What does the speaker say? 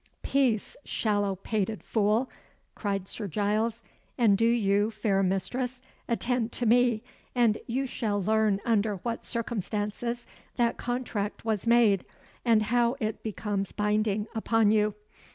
"Peace, shallow pated fool!" cried Sir Giles. "And do you, fair mistress, attend to me, and you shall learn under what circumstances that contract was made, and how it becomes binding upon you.